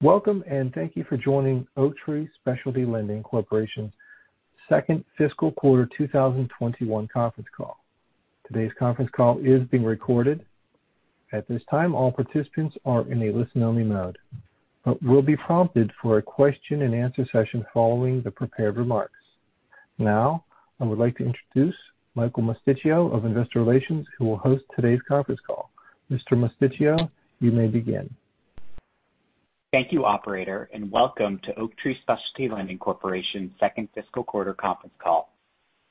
Welcome, and thank you for joining Oaktree Specialty Lending Corporation's second fiscal quarter 2021 conference call. Today's conference call is being recorded. At this time, all participants are in a listen-only mode but will be prompted for a question and answer session following the prepared remarks. Now, I would like to introduce Michael Mosticchio of Investor Relations, who will host today's conference call. Mr. Mosticchio, you may begin. Thank you, operator, and welcome to Oaktree Specialty Lending Corporation's second fiscal quarter conference call.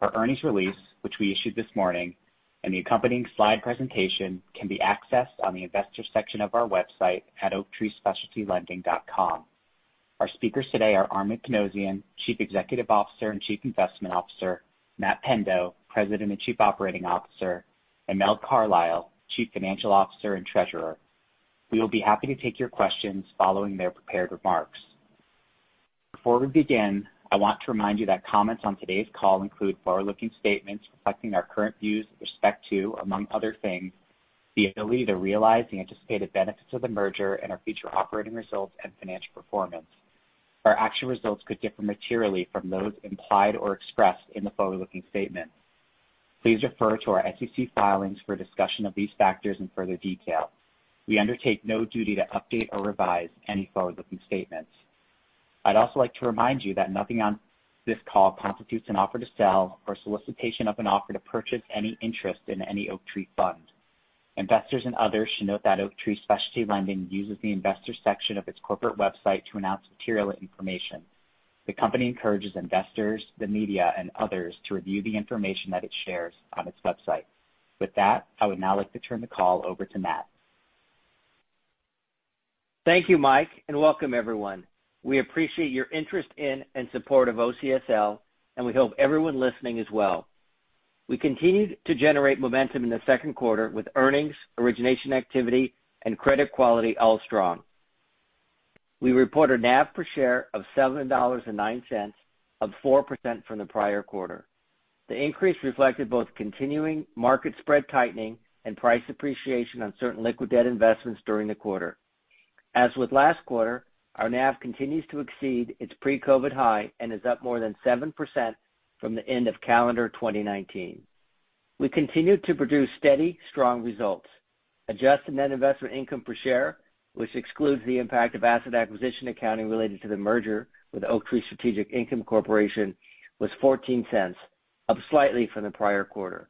Our earnings release, which we issued this morning, and the accompanying slide presentation can be accessed on the investor section of our website at oaktreespecialtylending.com. Our speakers today are Armen Panossian, Chief Executive Officer and Chief Investment Officer, Matt Pendo, President and Chief Operating Officer, and Mel Carlisle, Chief Financial Officer and Treasurer. We will be happy to take your questions following their prepared remarks. Before we begin, I want to remind you that comments on today's call include forward-looking statements reflecting our current views with respect to, among other things, the ability to realize the anticipated benefits of the merger and our future operating results and financial performance. Our actual results could differ materially from those implied or expressed in the forward-looking statement. Please refer to our SEC filings for a discussion of these factors in further detail. We undertake no duty to update or revise any forward-looking statements. I'd also like to remind you that nothing on this call constitutes an offer to sell or solicitation of an offer to purchase any interest in any Oaktree fund. Investors and others should note that Oaktree Specialty Lending uses the investor section of its corporate website to announce material information. The company encourages investors, the media, and others to review the information that it shares on its website. With that, I would now like to turn the call over to Matt. Thank you, Mike, and welcome everyone. We appreciate your interest in and support of OCSL, and we hope everyone listening as well. We continued to generate momentum in the second quarter with earnings, origination activity, and credit quality all strong. We reported NAV per share of $7.09, up 4% from the prior quarter. The increase reflected both continuing market spread tightening and price appreciation on certain liquid debt investments during the quarter. As with last quarter, our NAV continues to exceed its pre-COVID high and is up more than 7% from the end of calendar 2019. We continued to produce steady, strong results. Adjusted Net Investment Income per share, which excludes the impact of asset acquisition accounting related to the merger with Oaktree Strategic Income Corporation, was $0.14, up slightly from the prior quarter.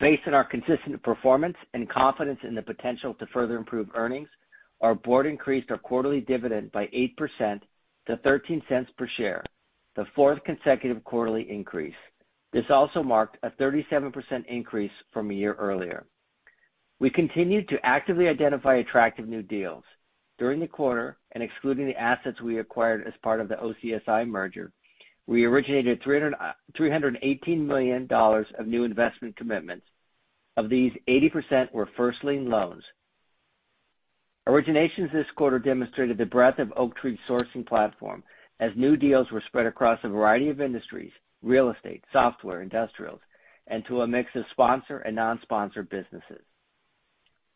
Based on our consistent performance and confidence in the potential to further improve earnings, our board increased our quarterly dividend by 8% to $0.13 per share, the fourth consecutive quarterly increase. This also marked a 37% increase from a year earlier. We continued to actively identify attractive new deals. During the quarter, and excluding the assets we acquired as part of the OCSI merger, we originated $318 million of new investment commitments. Of these, 80% were first-lien loans. Originations this quarter demonstrated the breadth of Oaktree's sourcing platform as new deals were spread across a variety of industries, real estate, software, industrials, and to a mix of sponsor and non-sponsor businesses.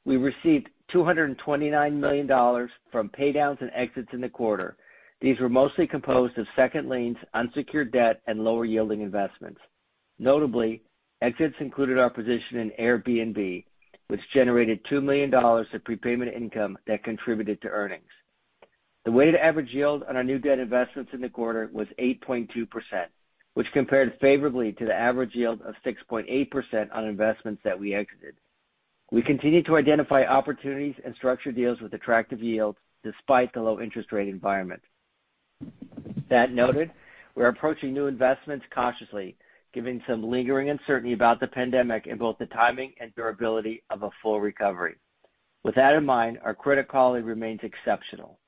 We received $229 million from pay-downs and exits in the quarter. These were mostly composed of second liens, unsecured debt, and lower-yielding investments. Notably, exits included our position in Airbnb, which generated $2 million of prepayment income that contributed to earnings. The weighted average yield on our new debt investments in the quarter was 8.2%, which compared favorably to the average yield of 6.8% on investments that we exited. We continue to identify opportunities and structure deals with attractive yields despite the low interest rate environment. That noted, we are approaching new investments cautiously, given some lingering uncertainty about the pandemic in both the timing and durability of a full recovery. With that in mind, our credit quality remains exceptional.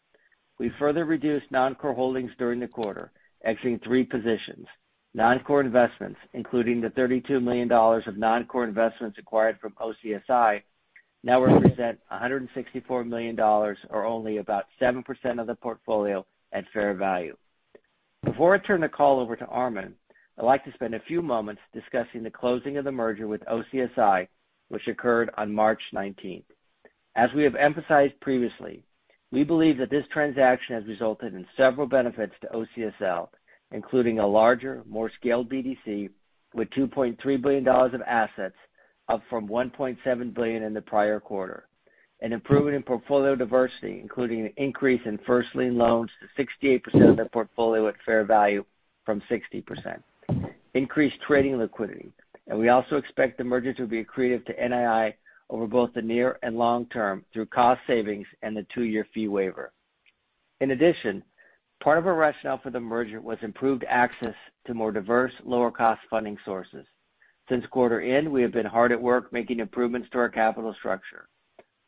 We further reduced non-core holdings during the quarter, exiting three positions. Non-core investments, including the $32 million of non-core investments acquired from OCSI, now represent $164 million, or only about 7% of the portfolio at fair value. Before I turn the call over to Armen, I'd like to spend a few moments discussing the closing of the merger with OCSI, which occurred on March 19th. As we have emphasized previously, we believe that this transaction has resulted in several benefits to OCSL, including a larger, more scaled BDC with $2.3 billion of assets, up from $1.7 billion in the prior quarter. An improvement in portfolio diversity, including an increase in first lien loans to 68% of the portfolio at fair value from 60%. Increased trading liquidity. We also expect the merger to be accretive to NII over both the near and long term through cost savings and the two-year fee waiver. In addition, part of our rationale for the merger was improved access to more diverse, lower-cost funding sources. Since quarter end, we have been hard at work making improvements to our capital structure.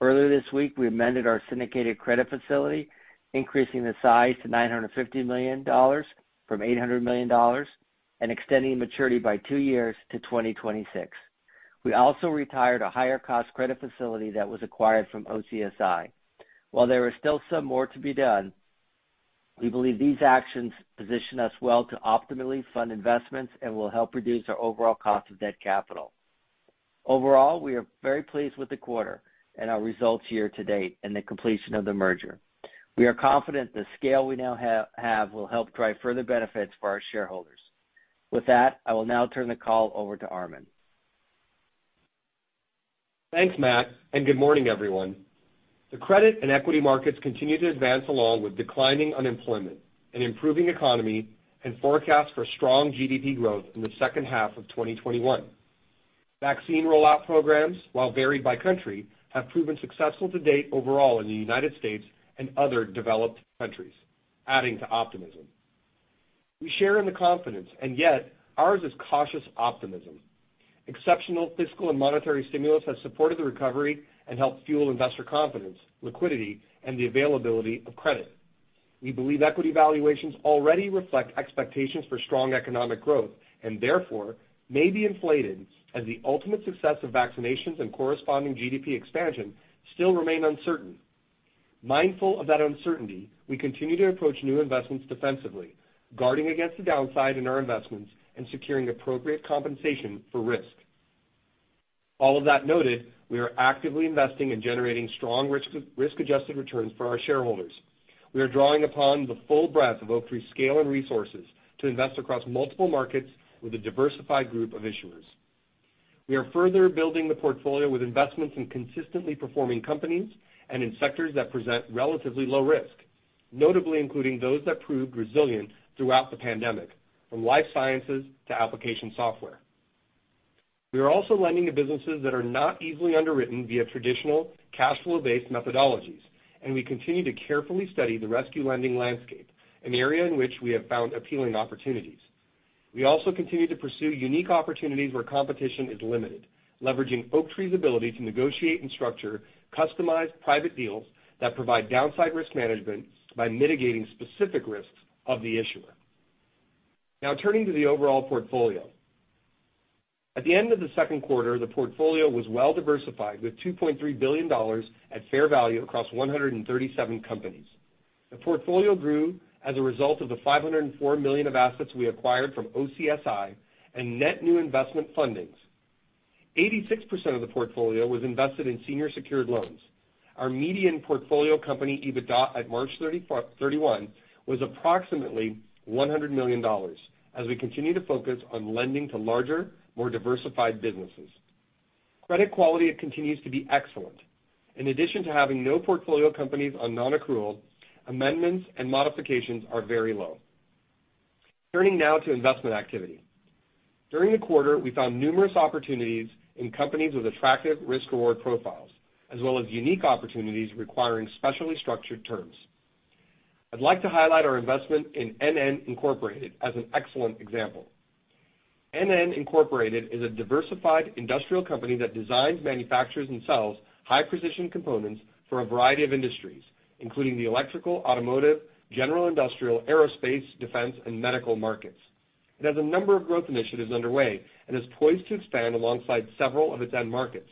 Earlier this week, we amended our syndicated credit facility, increasing the size to $950 million from $800 million and extending maturity by two years to 2026. We also retired a higher-cost credit facility that was acquired from OCSI. While there is still some more to be done. We believe these actions position us well to optimally fund investments and will help reduce our overall cost of debt capital. Overall, we are very pleased with the quarter and our results year to date and the completion of the merger. We are confident the scale we now have will help drive further benefits for our shareholders. With that, I will now turn the call over to Armen. Thanks, Matt. Good morning, everyone. The credit and equity markets continue to advance along with declining unemployment, an improving economy, and forecasts for strong GDP growth in the second half of 2021. Vaccine rollout programs, while varied by country, have proven successful to date overall in the U.S. and other developed countries, adding to optimism. We share in the confidence, yet ours is cautious optimism. Exceptional fiscal and monetary stimulus has supported the recovery and helped fuel investor confidence, liquidity, and the availability of credit. We believe equity valuations already reflect expectations for strong economic growth, therefore may be inflated as the ultimate success of vaccinations and corresponding GDP expansion still remain uncertain. Mindful of that uncertainty, we continue to approach new investments defensively, guarding against the downside in our investments and securing appropriate compensation for risk. All of that noted, we are actively investing in generating strong risk-adjusted returns for our shareholders. We are drawing upon the full breadth of Oaktree scale and resources to invest across multiple markets with a diversified group of issuers. We are further building the portfolio with investments in consistently performing companies and in sectors that present relatively low risk, notably including those that proved resilient throughout the pandemic, from life sciences to application software. We are also lending to businesses that are not easily underwritten via traditional cash flow-based methodologies, and we continue to carefully study the rescue lending landscape, an area in which we have found appealing opportunities. We also continue to pursue unique opportunities where competition is limited, leveraging Oaktree's ability to negotiate and structure customized private deals that provide downside risk management by mitigating specific risks of the issuer. Turning to the overall portfolio. At the end of the second quarter, the portfolio was well-diversified with $2.3 billion at fair value across 137 companies. The portfolio grew as a result of the $504 million of assets we acquired from OCSI and net new investment fundings. 86% of the portfolio was invested in senior secured loans. Our median portfolio company EBITDA at March 31 was approximately $100 million as we continue to focus on lending to larger, more diversified businesses. Credit quality continues to be excellent. In addition to having no portfolio companies on non-accrual, amendments and modifications are very low. Turning now to investment activity. During the quarter, we found numerous opportunities in companies with attractive risk-reward profiles, as well as unique opportunities requiring specially structured terms. I'd like to highlight our investment in NN, Incorporated as an excellent example. NN, Incorporated is a diversified industrial company that designs, manufactures, and sells high-precision components for a variety of industries, including the electrical, automotive, general industrial, aerospace, defense, and medical markets. It has a number of growth initiatives underway and is poised to expand alongside several of its end markets.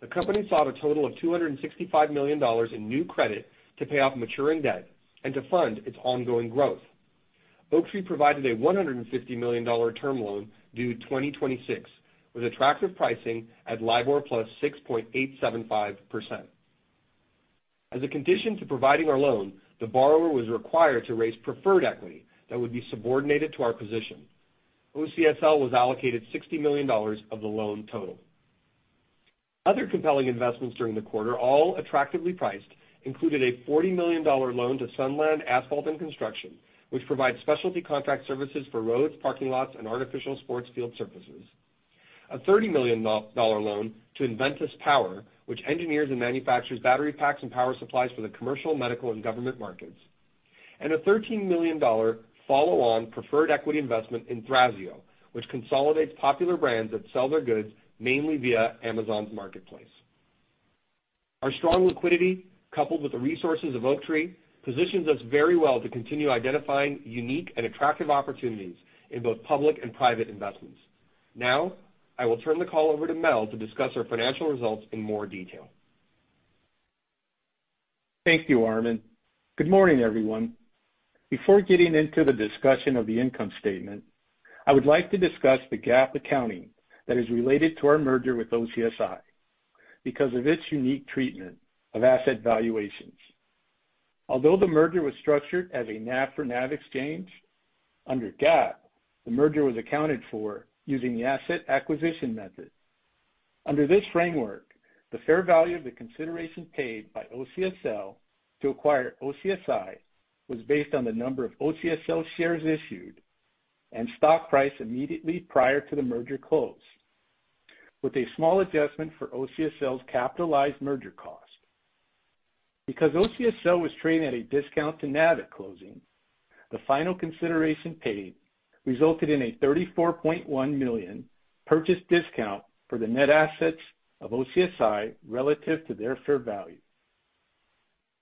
The company sought a total of $265 million in new credit to pay off maturing debt and to fund its ongoing growth. Oaktree provided a $150 million term loan due 2026, with attractive pricing at LIBOR plus 6.875%. As a condition to providing our loan, the borrower was required to raise preferred equity that would be subordinated to our position. OCSL was allocated $60 million of the loan total. Other compelling investments during the quarter, all attractively priced, included a $40 million loan to Sunland Asphalt & Construction, which provides specialty contract services for roads, parking lots, and artificial sports field surfaces; a $30 million loan to Inventus Power, which engineers and manufactures battery packs and power supplies for the commercial, medical, and government markets; and a $13 million follow-on preferred equity investment in Thrasio, which consolidates popular brands that sell their goods mainly via Amazon's marketplace. Our strong liquidity, coupled with the resources of Oaktree, positions us very well to continue identifying unique and attractive opportunities in both public and private investments. Now, I will turn the call over to Mel to discuss our financial results in more detail. Thank you, Armen. Good morning, everyone. Before getting into the discussion of the income statement, I would like to discuss the GAAP accounting that is related to our merger with OCSI because of its unique treatment of asset valuations. Although the merger was structured as a NAV for NAV exchange, under GAAP, the merger was accounted for using the asset acquisition method. Under this framework, the fair value of the consideration paid by OCSL to acquire OCSI was based on the number of OCSL shares issued and stock price immediately prior to the merger close, with a small adjustment for OCSL's capitalized merger cost. Because OCSL was trading at a discount to NAV at closing, the final consideration paid resulted in a $34.1 million purchase discount for the net assets of OCSI relative to their fair value.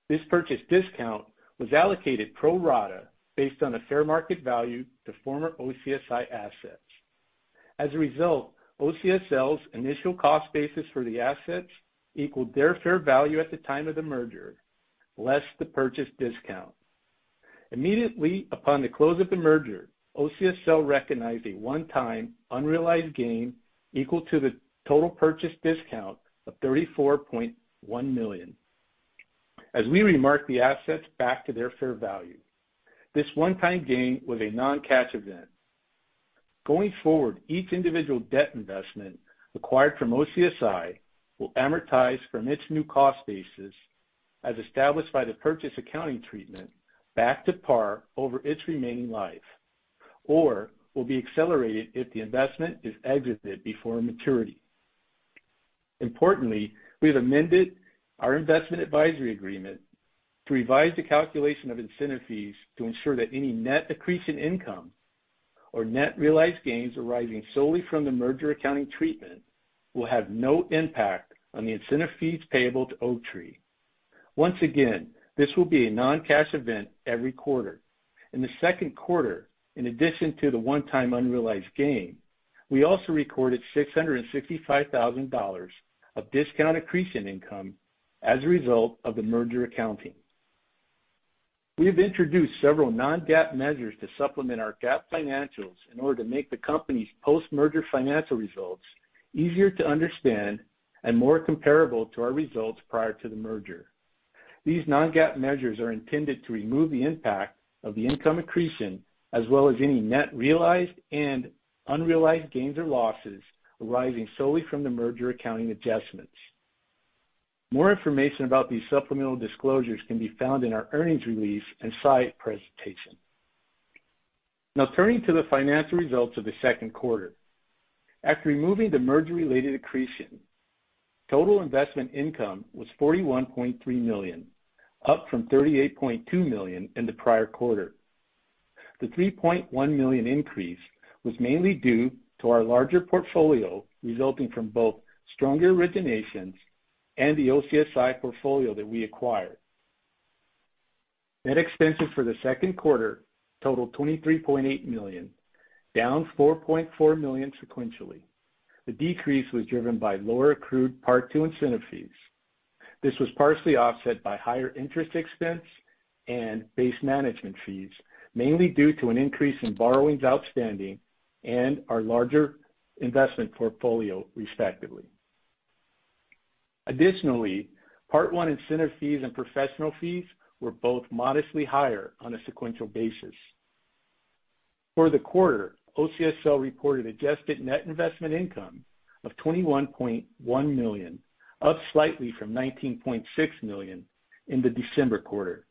This purchase discount was allocated pro rata based on the fair market value to former OCSI assets. As a result, OCSL's initial cost basis for the assets equaled their fair value at the time of the merger, less the purchase discount. Immediately upon the close of the merger, OCSL recognized a one-time unrealized gain equal to the total purchase discount of $34.1 million. As we remark the assets back to their fair value, this one-time gain was a non-cash event. Going forward, each individual debt investment acquired from OCSI will amortize from its new cost basis as established by the purchase accounting treatment back to par over its remaining life or will be accelerated if the investment is exited before maturity. Importantly, we have amended our investment advisory agreement to revise the calculation of incentive fees to ensure that any net accretion income or net realized gains arising solely from the merger accounting treatment will have no impact on the incentive fees payable to Oaktree. Once again, this will be a non-cash event every quarter. In the second quarter, in addition to the one-time unrealized gain, we also recorded $665,000 of discount accretion income as a result of the merger accounting. We have introduced several non-GAAP measures to supplement our GAAP financials in order to make the company's post-merger financial results easier to understand and more comparable to our results prior to the merger. These non-GAAP measures are intended to remove the impact of the income accretion, as well as any net realized and unrealized gains or losses arising solely from the merger accounting adjustments. More information about these supplemental disclosures can be found in our earnings release and slide presentation. Turning to the financial results of the second quarter. After removing the merger-related accretion, total investment income was $41.3 million, up from $38.2 million in the prior quarter. The $3.1 million increase was mainly due to our larger portfolio resulting from both stronger originations and the OCSI portfolio that we acquired. Net expenses for the second quarter totaled $23.8 million, down $4.4 million sequentially. The decrease was driven by lower accrued Part II incentive fees. This was partially offset by higher interest expense and base management fees, mainly due to an increase in borrowings outstanding and our larger investment portfolio, respectively. Additionally, Part I incentive fees and professional fees were both modestly higher on a sequential basis. For the quarter, OCSL reported adjusted net investment income of $21.1 million, up slightly from $19.6 million in the December quarter.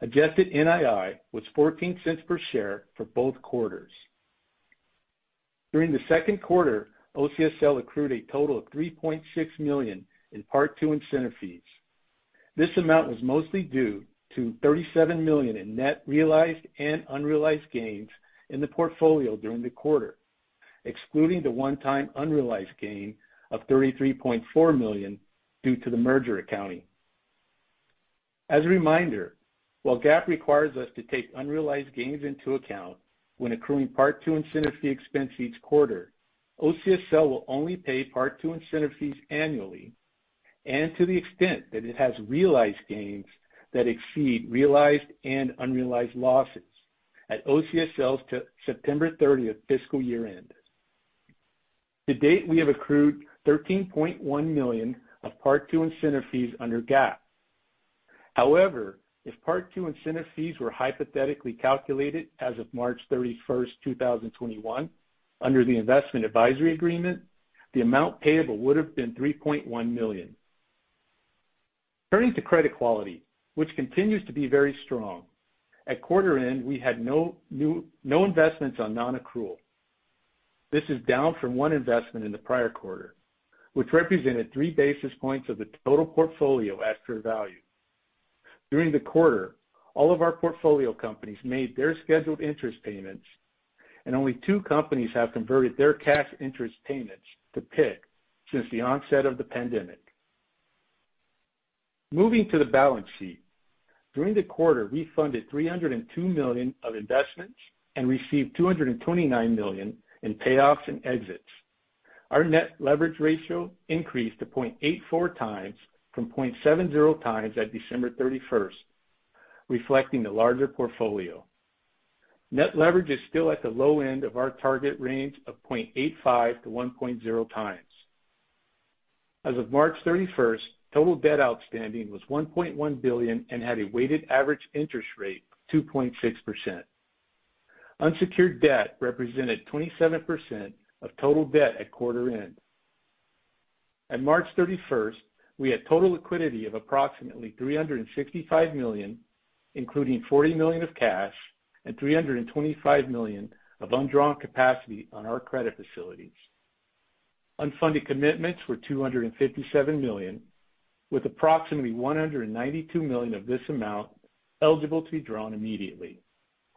Adjusted NII was $0.14 per share for both quarters. During the second quarter, OCSL accrued a total of $3.6 million in Part II incentive fees. This amount was mostly due to $37 million in net realized and unrealized gains in the portfolio during the quarter, excluding the one-time unrealized gain of $33.4 million due to the merger accounting. As a reminder, while GAAP requires us to take unrealized gains into account when accruing Part II incentive fee expense each quarter, OCSL will only pay Part II incentive fees annually and to the extent that it has realized gains that exceed realized and unrealized losses at OCSL's September 30th fiscal year end. To date, we have accrued $13.1 million of Part II incentive fees under GAAP. However, if Part II incentive fees were hypothetically calculated as of March 31st, 2021, under the investment advisory agreement, the amount payable would have been $3.1 million. Turning to credit quality, which continues to be very strong. At quarter end, we had no investments on non-accrual. This is down from one investment in the prior quarter, which represented three basis points of the total portfolio at fair value. During the quarter, all of our portfolio companies made their scheduled interest payments and only two companies have converted their cash interest payments to PIK since the onset of the pandemic. Moving to the balance sheet. During the quarter, we funded $302 million of investments and received $229 million in payoffs and exits. Our net leverage ratio increased to 0.84x from 0.70x at December 31st, reflecting the larger portfolio. Net leverage is still at the low end of our target range of 0.85x-1.0x. As of March 31st, total debt outstanding was $1.1 billion and had a weighted average interest rate of 2.6%. Unsecured debt represented 27% of total debt at quarter end. At March 31st, we had total liquidity of approximately $365 million, including $40 million of cash and $325 million of undrawn capacity on our credit facilities. Unfunded commitments were $257 million, with approximately $192 million of this amount eligible to be drawn immediately,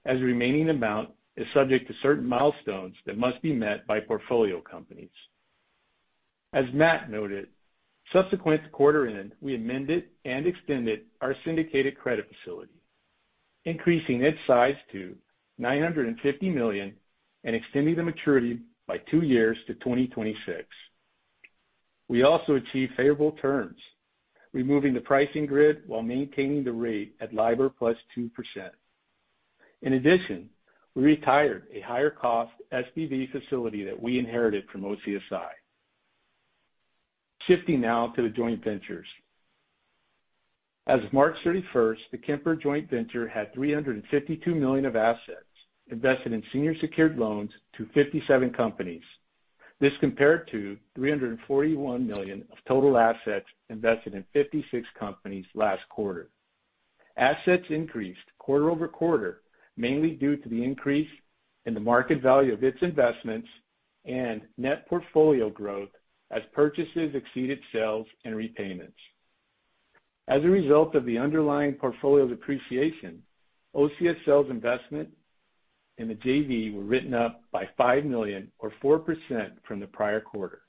as the remaining amount is subject to certain milestones that must be met by portfolio companies. As Matt noted, subsequent to quarter end, we amended and extended our syndicated credit facility, increasing its size to $950 million and extending the maturity by two years to 2026. We also achieved favorable terms, removing the pricing grid while maintaining the rate at LIBOR plus 2%. In addition, we retired a higher cost SPV facility that we inherited from OCSI. Now to the joint ventures. As of March 31st, the Kemper joint venture had $352 million of assets invested in senior secured loans to 57 companies. This compared to $341 million of total assets invested in 56 companies last quarter. Assets increased quarter-over-quarter, mainly due to the increase in the market value of its investments and net portfolio growth as purchases exceeded sales and repayments. As a result of the underlying portfolio's appreciation, OCSL's investment in the JV were written up by $5 million or 4% from the prior quarter.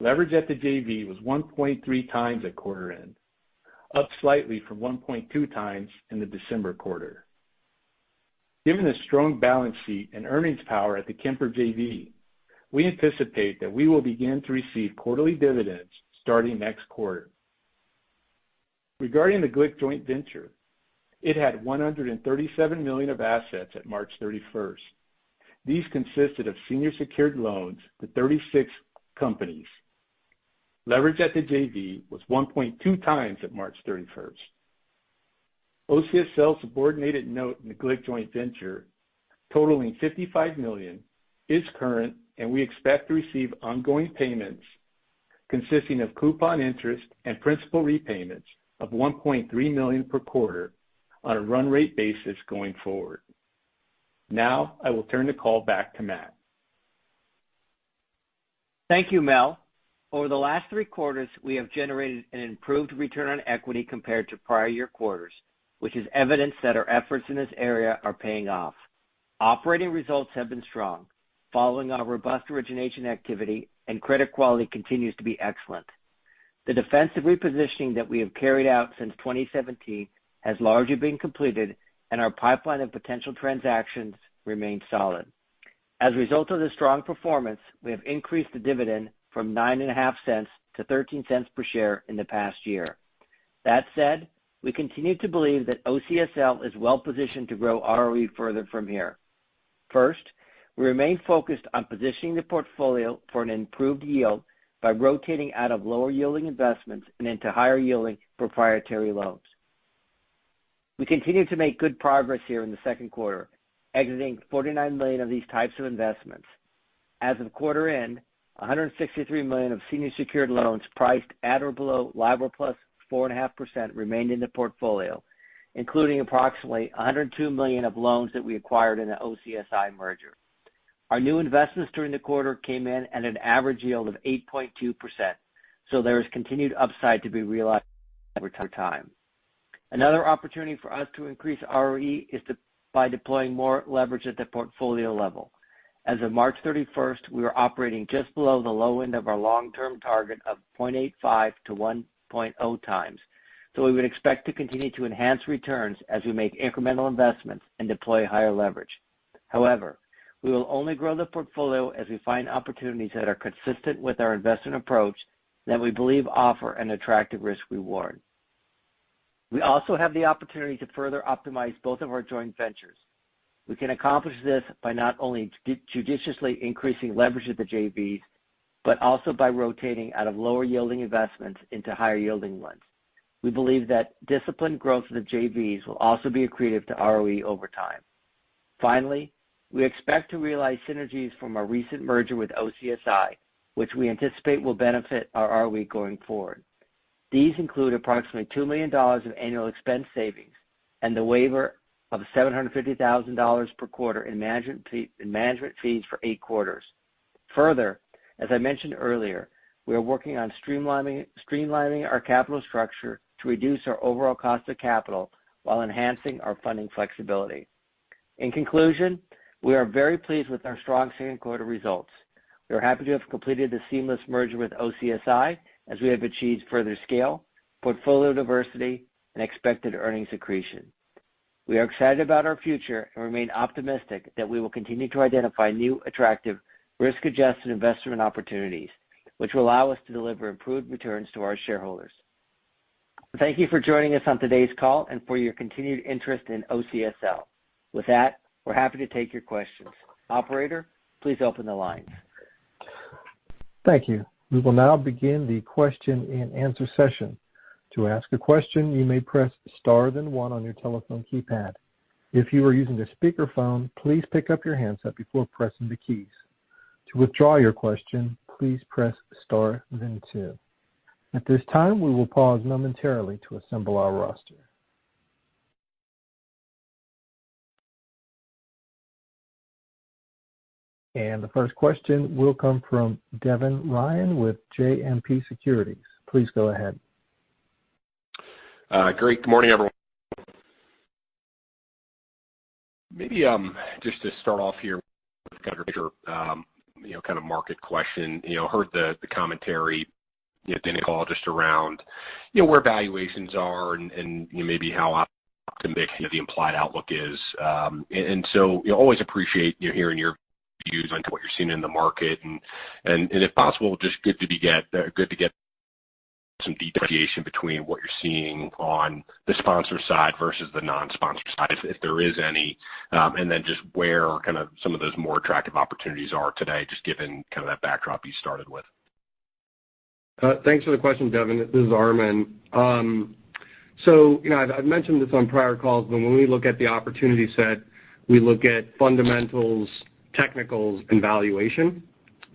Leverage at the JV was 1.3x at quarter end, up slightly from 1.2x in the December quarter. Given the strong balance sheet and earnings power at the Kemper JV, we anticipate that we will begin to receive quarterly dividends starting next quarter. Regarding the Glick joint venture, it had $137 million of assets at March 31st. These consisted of senior secured loans to 36 companies. Leverage at the JV was 1.2x at March 31st. OCSL's subordinated note in the Glick joint venture totaling $55 million is current, and we expect to receive ongoing payments consisting of coupon interest and principal repayments of $1.3 million per quarter on a run rate basis going forward. Now, I will turn the call back to Matt. Thank you, Mel. Over the last three quarters, we have generated an improved return on equity compared to prior year quarters, which is evidence that our efforts in this area are paying off. Operating results have been strong following our robust origination activity and credit quality continues to be excellent. The defensive repositioning that we have carried out since 2017 has largely been completed, our pipeline of potential transactions remains solid. As a result of the strong performance, we have increased the dividend from $0.095 to $0.13 per share in the past year. That said, we continue to believe that OCSL is well positioned to grow ROE further from here. First, we remain focused on positioning the portfolio for an improved yield by rotating out of lower yielding investments and into higher yielding proprietary loans. We continue to make good progress here in the second quarter, exiting $49 million of these types of investments. As of quarter end, $163 million of senior secured loans priced at or below LIBOR plus 4.5% remained in the portfolio, including approximately $102 million of loans that we acquired in the OCSI merger. Our new investments during the quarter came in at an average yield of 8.2%, there is continued upside to be realized over time. As of March 31st, we are operating just below the low end of our long-term target of 0.85x-1.0x. We would expect to continue to enhance returns as we make incremental investments and deploy higher leverage. However, we will only grow the portfolio as we find opportunities that are consistent with our investment approach that we believe offer an attractive risk reward. We also have the opportunity to further optimize both of our joint ventures. We can accomplish this by not only judiciously increasing leverage of the JVs, but also by rotating out of lower yielding investments into higher yielding ones. We believe that disciplined growth of the JVs will also be accretive to ROE over time. Finally, we expect to realize synergies from our recent merger with OCSI, which we anticipate will benefit our ROE going forward. These include approximately $2 million of annual expense savings and the waiver of $750,000 per quarter in management fees for eight quarters. Further, as I mentioned earlier, we are working on streamlining our capital structure to reduce our overall cost of capital while enhancing our funding flexibility. In conclusion, we are very pleased with our strong second quarter results. We are happy to have completed the seamless merger with OCSI as we have achieved further scale, portfolio diversity, and expected earnings accretion. We are excited about our future and remain optimistic that we will continue to identify new, attractive, risk-adjusted investment opportunities, which will allow us to deliver improved returns to our shareholders. Thank you for joining us on today's call and for your continued interest in OCSL. With that, we are happy to take your questions. Operator, please open the lines. Thank you. We will now begin the question and answer session. To ask a question, you may press star then one on your telephone keypad. If you are using a speakerphone, please pick up your handset before pressing the keys. To withdraw your question, please press star then two. At this time, we will pause momentarily to assemble our roster. The first question will come from Devin Ryan with JMP Securities. Please go ahead. Great. Good morning, everyone. Maybe just to start off here with kind of a bigger market question. Heard the commentary, the call just around where valuations are and maybe how optimistic the implied outlook is. Always appreciate hearing your views onto what you're seeing in the market. If possible, just good to get some differentiation between what you're seeing on the sponsor side versus the non-sponsor side, if there is any. Just where some of those more attractive opportunities are today, just given that backdrop you started with. Thanks for the question, Devin. This is Armen. I've mentioned this on prior calls, but when we look at the opportunity set, we look at fundamentals, technicals, and valuation.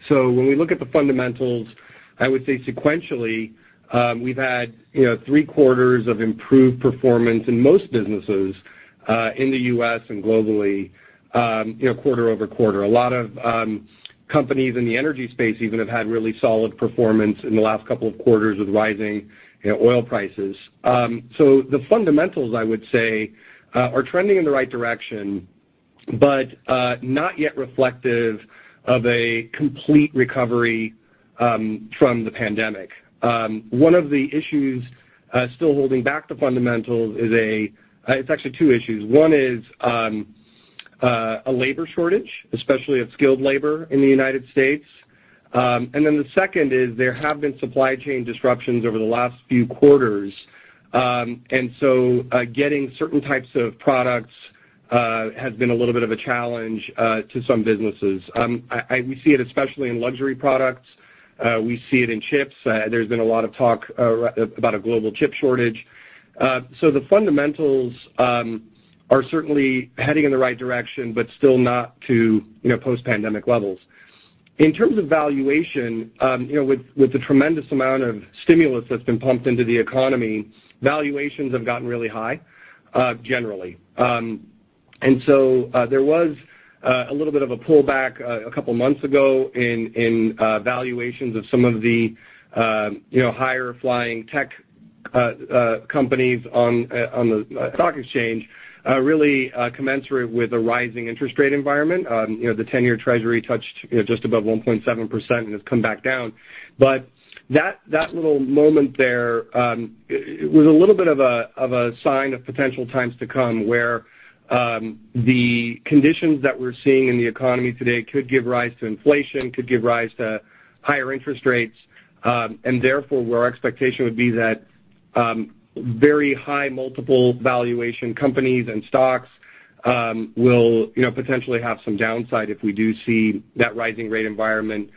When we look at the fundamentals, I would say sequentially, we've had three quarters of improved performance in most businesses, in the U.S. and globally, quarter-over-quarter. A lot of companies in the energy space even have had really solid performance in the last couple of quarters with rising oil prices. The fundamentals, I would say, are trending in the right direction, but not yet reflective of a complete recovery from the pandemic. One of the issues still holding back the fundamentals is actually two issues. One is a labor shortage, especially of skilled labor in the United States. The second is there have been supply chain disruptions over the last few quarters. Getting certain types of products has been a little bit of a challenge to some businesses. We see it especially in luxury products. We see it in chips. There's been a lot of talk about a global chip shortage. The fundamentals are certainly heading in the right direction, but still not to post-pandemic levels. In terms of valuation, with the tremendous amount of stimulus that's been pumped into the economy, valuations have gotten really high, generally. There was a little bit of a pullback a couple of months ago in valuations of some of the higher flying tech companies on the stock exchange, really commensurate with a rising interest rate environment. The 10-year Treasury touched just above 1.7% and has come back down. That little moment there, was a little bit of a sign of potential times to come where the conditions that we're seeing in the economy today could give rise to inflation, could give rise to higher interest rates. Therefore, where our expectation would be that very high multiple valuation companies and stocks will potentially have some downside if we do see that rising rate environment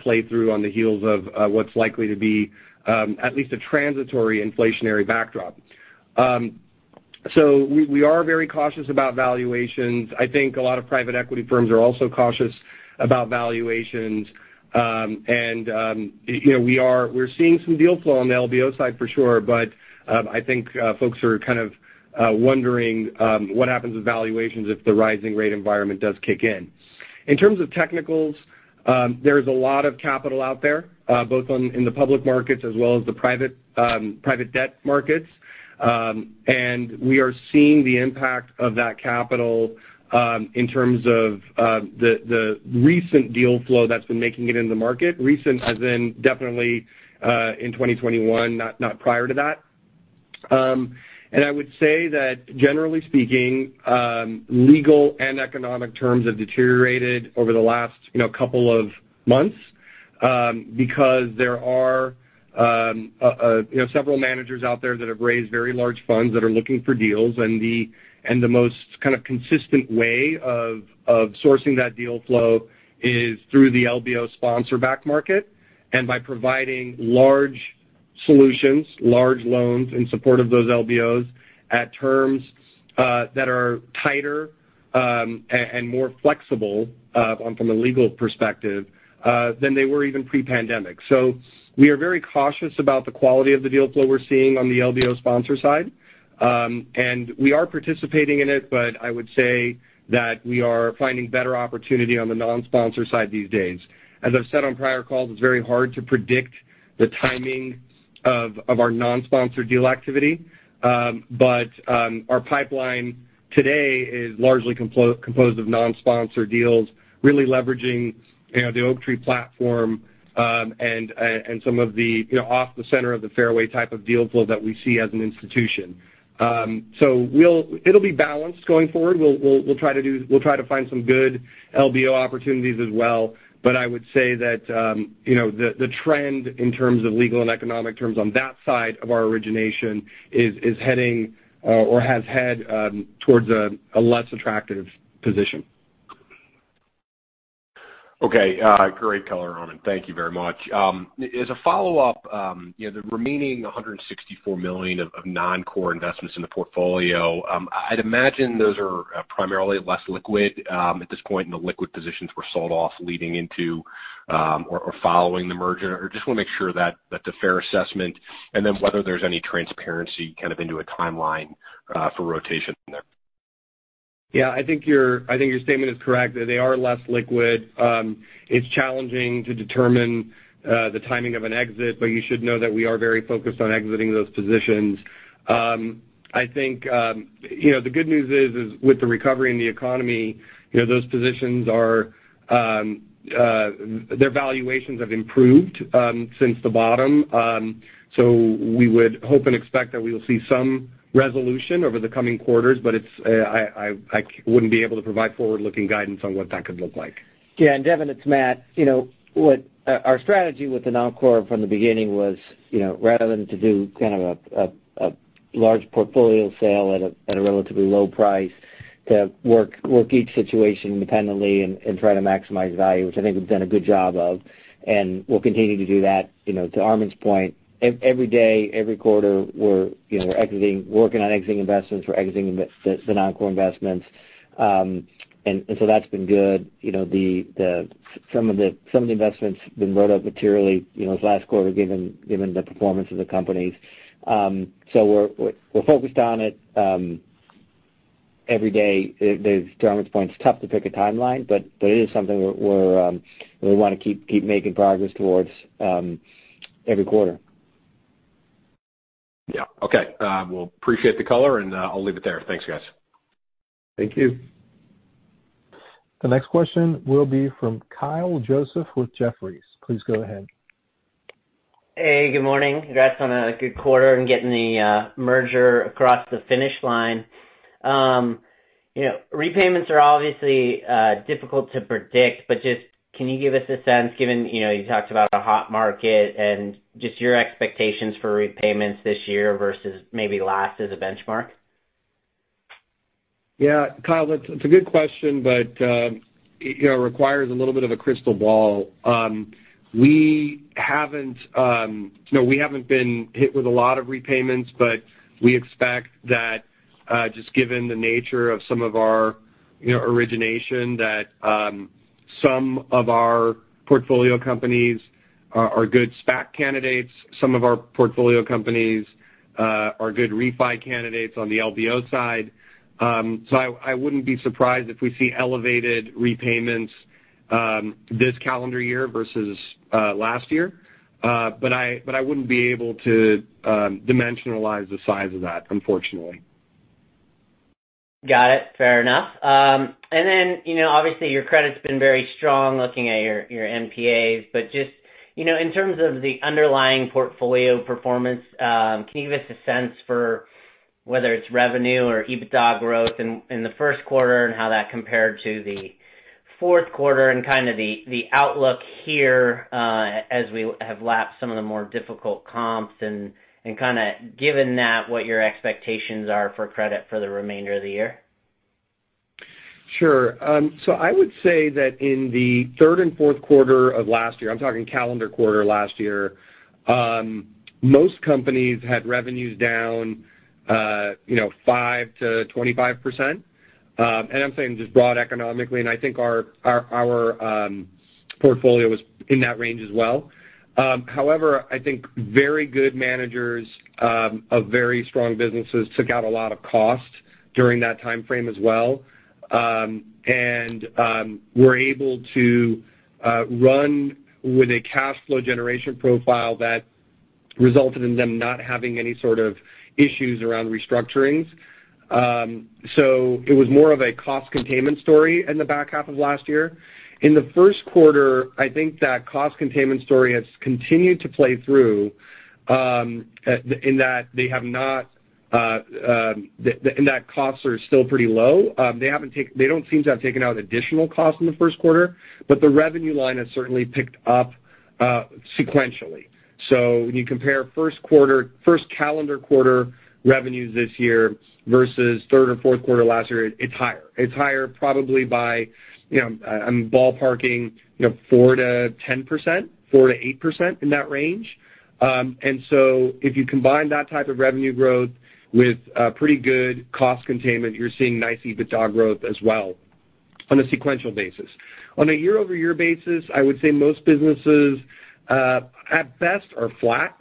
play through on the heels of what's likely to be at least a transitory inflationary backdrop. We are very cautious about valuations. I think a lot of private equity firms are also cautious about valuations. We're seeing some deal flow on the LBO side for sure, but I think folks are kind of wondering what happens with valuations if the rising rate environment does kick in. In terms of technicals, there's a lot of capital out there, both in the public markets as well as the private debt markets. We are seeing the impact of that capital in terms of the recent deal flow that's been making it in the market. Recent as in definitely in 2021, not prior to that. I would say that generally speaking, legal and economic terms have deteriorated over the last couple of months, because there are several managers out there that have raised very large funds that are looking for deals, and the most kind of consistent way of sourcing that deal flow is through the LBO sponsor-backed market. By providing large solutions, large loans in support of those LBOs at terms that are tighter and more flexible from a legal perspective than they were even pre-pandemic. We are very cautious about the quality of the deal flow we're seeing on the LBO sponsor side. We are participating in it, but I would say that we are finding better opportunity on the non-sponsor side these days. As I've said on prior calls, it's very hard to predict the timing of our non-sponsor deal activity. Our pipeline today is largely composed of non-sponsor deals, really leveraging the Oaktree platform, and some of the off the center of the fairway type of deal flow that we see as an institution. It'll be balanced going forward. We'll try to find some good LBO opportunities as well. I would say that the trend in terms of legal and economic terms on that side of our origination is heading or has head towards a less attractive position. Okay. Great color on it. Thank you very much. As a follow-up, the remaining $164 million of non-core investments in the portfolio, I'd imagine those are primarily less liquid at this point, and the liquid positions were sold off leading into or following the merger. I just want to make sure that's a fair assessment, and then whether there's any transparency kind of into a timeline for rotation in there. Yeah, I think your statement is correct. They are less liquid. It's challenging to determine the timing of an exit, but you should know that we are very focused on exiting those positions. I think the good news is with the recovery in the economy, those positions, their valuations have improved since the bottom. We would hope and expect that we will see some resolution over the coming quarters, but I wouldn't be able to provide forward-looking guidance on what that could look like. Yeah. Devin, it's Matt. What our strategy with the non-core from the beginning was rather than to do kind of a large portfolio sale at a relatively low price, to work each situation independently and try to maximize value, which I think we've done a good job of, and we'll continue to do that. To Armen's point, every day, every quarter, we're working on exiting investments. We're exiting the non-core investments. That's been good. Some of the investments have been wrote up materially this last quarter, given the performance of the companies. We're focused on it every day. To Armen's point, it's tough to pick a timeline, but it is something we want to keep making progress towards every quarter. Yeah. Okay. Well, appreciate the color, and I'll leave it there. Thanks, guys. Thank you. The next question will be from Kyle Joseph with Jefferies. Please go ahead. Hey, good morning. Congrats on a good quarter and getting the merger across the finish line. Repayments are obviously difficult to predict, but can you give us a sense, given you talked about a hot market and your expectations for repayments this year versus maybe last as a benchmark? Yeah. Kyle, it's a good question, it requires a little bit of a crystal ball. We haven't been hit with a lot of repayments, we expect that just given the nature of some of our origination, that some of our portfolio companies are good SPAC candidates. Some of our portfolio companies are good refi candidates on the LBO side. I wouldn't be surprised if we see elevated repayments this calendar year versus last year. I wouldn't be able to dimensionalize the size of that, unfortunately. Got it. Fair enough. Obviously your credit's been very strong looking at your NPAs, but just in terms of the underlying portfolio performance, can you give us a sense for whether it's revenue or EBITDA growth in the first quarter and how that compared to the fourth quarter and kind of the outlook here as we have lapped some of the more difficult comps and kind of given that, what your expectations are for credit for the remainder of the year? Sure. I would say that in the third and fourth quarter of last year, I'm talking calendar quarter last year, most companies had revenues down 5%-25%. I'm saying just broad economically, I think our portfolio was in that range as well. I think very good managers of very strong businesses took out a lot of cost during that timeframe as well. Were able to run with a cash flow generation profile that resulted in them not having any sort of issues around restructurings. It was more of a cost containment story in the back half of last year. In the first quarter, I think that cost containment story has continued to play through in that costs are still pretty low. They don't seem to have taken out additional cost in the first quarter, the revenue line has certainly picked up sequentially. When you compare first calendar quarter revenues this year versus third or fourth quarter last year, it's higher. It's higher probably by, I'm ballparking 4%-10%, 4%-8%, in that range. If you combine that type of revenue growth with pretty good cost containment, you're seeing nice EBITDA growth as well on a sequential basis. On a year-over-year basis, I would say most businesses, at best, are flat.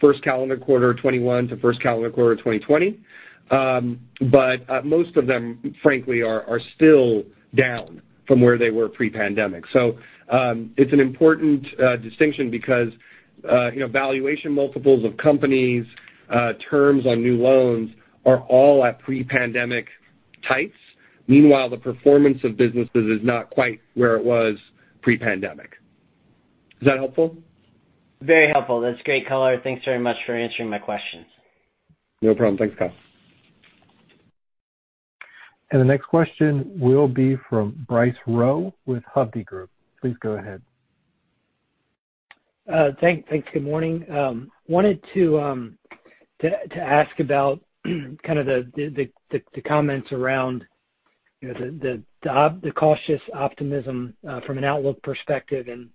First calendar quarter of 2021 to first calendar quarter of 2020. Most of them, frankly, are still down from where they were pre-pandemic. It's an important distinction because valuation multiples of companies, terms on new loans are all at pre-pandemic tights. Meanwhile, the performance of businesses is not quite where it was pre-pandemic. Is that helpful? Very helpful. That's great color. Thanks very much for answering my questions. No problem. Thanks, Kyle. The next question will be from Bryce Rowe with Hovde Group. Please go ahead. Thanks. Good morning. Wanted to ask about kind of the comments around the cautious optimism from an outlook perspective and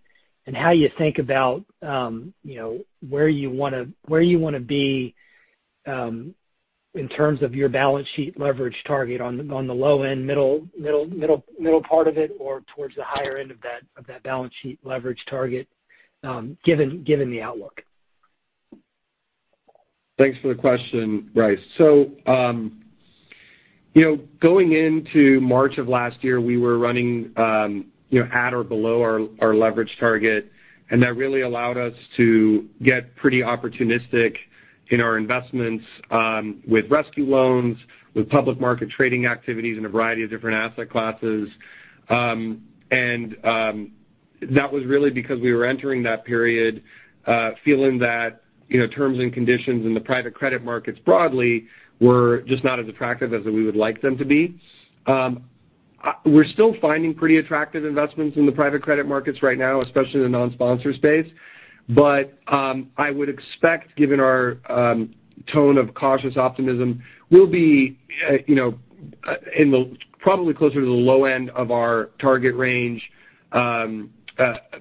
how you think about where you want to be in terms of your balance sheet leverage target on the low end, middle part of it, or towards the higher end of that balance sheet leverage target given the outlook? Thanks for the question, Bryce. Going into March of last year, we were running at or below our leverage target, and that really allowed us to get pretty opportunistic in our investments with rescue loans, with public market trading activities in a variety of different asset classes. That was really because we were entering that period, feeling that terms and conditions in the private credit markets broadly were just not as attractive as we would like them to be. We're still finding pretty attractive investments in the private credit markets right now, especially in the non-sponsor space. I would expect, given our tone of cautious optimism, we'll be probably closer to the low end of our target range,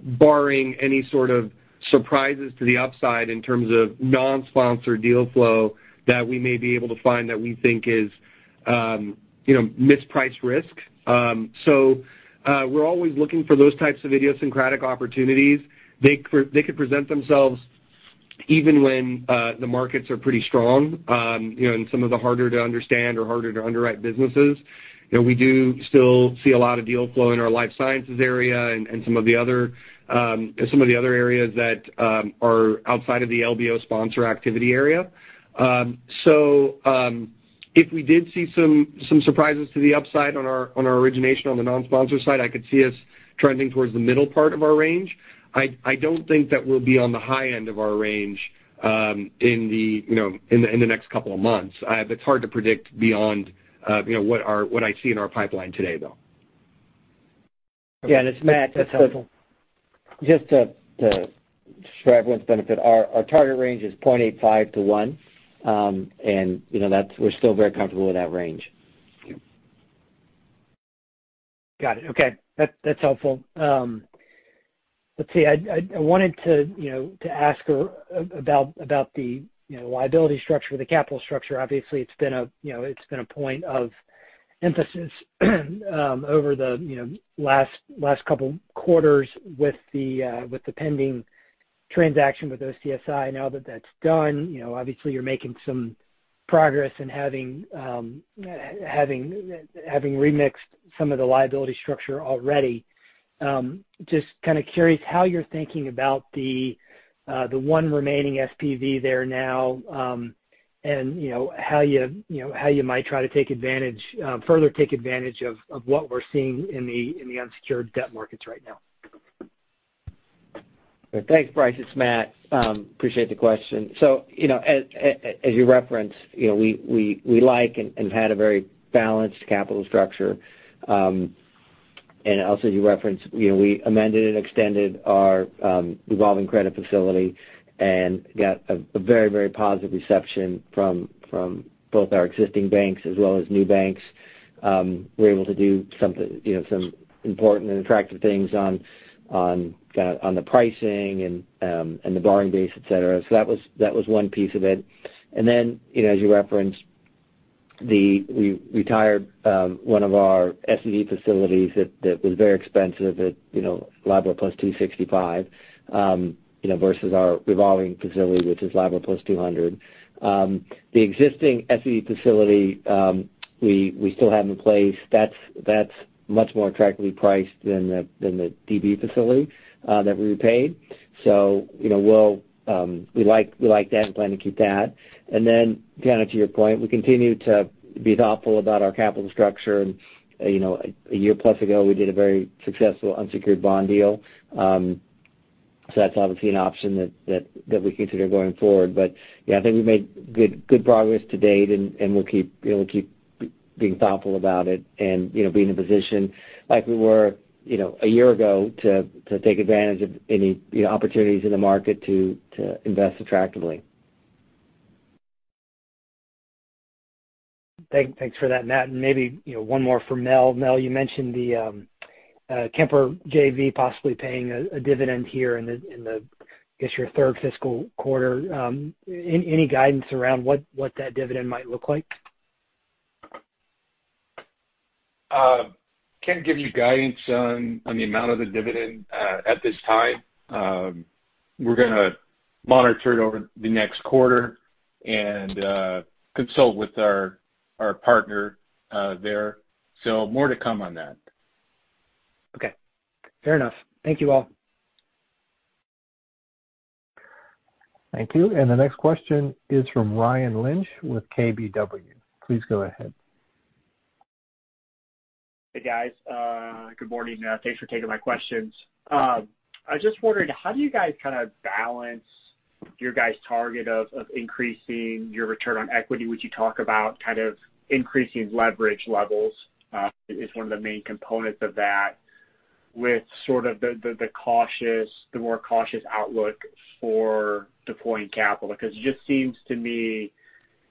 barring any sort of surprises to the upside in terms of non-sponsor deal flow that we may be able to find that we think is mispriced risk. We're always looking for those types of idiosyncratic opportunities. They could present themselves even when the markets are pretty strong in some of the harder to understand or harder to underwrite businesses. We do still see a lot of deal flow in our life sciences area and some of the other areas that are outside of the LBO sponsor activity area. If we did see some surprises to the upside on our origination on the non-sponsor side, I could see us trending towards the middle part of our range. I don't think that we'll be on the high end of our range in the next couple of months. It's hard to predict beyond what I see in our pipeline today, though. Yeah. It's Matt. For everyone's benefit, our target range is 0.85x-1x. We're still very comfortable with that range. Got it. Okay. That's helpful. Let's see. I wanted to ask about the liability structure, the capital structure. Obviously, it's been a point of emphasis over the last couple quarters with the pending transaction with OCSI. Now that that's done, obviously you're making some progress in having remixed some of the liability structure already. Just kind of curious how you're thinking about the one remaining SPV there now, and how you might try to further take advantage of what we're seeing in the unsecured debt markets right now. Thanks, Bryce. It's Matt. Appreciate the question. As you referenced, we like and had a very balanced capital structure. Also as you referenced, we amended and extended our revolving credit facility and got a very positive reception from both our existing banks as well as new banks. We were able to do some important and attractive things on the pricing and the borrowing base, et cetera. That was one piece of it. Then, as you referenced, we retired one of our SPV facilities that was very expensive at LIBOR plus 265 versus our revolving facility, which is LIBOR plus 200. The existing SPV facility we still have in place. That's much more attractively priced than the DB facility that we repaid. We like that and plan to keep that. Then, to your point, we continue to be thoughtful about our capital structure. A year plus ago, we did a very successful unsecured bond deal. That's obviously an option that we consider going forward. Yeah, I think we made good progress to date, and we'll keep being thoughtful about it and be in a position like we were a year ago to take advantage of any opportunities in the market to invest attractively. Thanks for that, Matt. Maybe one more for Mel. Mel, you mentioned the Kemper JV possibly paying a dividend here in the, I guess, your third fiscal quarter. Any guidance around what that dividend might look like? Can't give you guidance on the amount of the dividend at this time. We're going to monitor it over the next quarter and consult with our partner there. More to come on that. Okay. Fair enough. Thank you, all. Thank you. The next question is from Ryan Lynch with KBW. Please go ahead. Hey, guys. Good morning. Thanks for taking my questions. I was just wondering, how do you guys kind of balance your guys' target of increasing your return on equity, which you talk about kind of increasing leverage levels is one of the main components of that with sort of the more cautious outlook for deploying capital? It just seems to me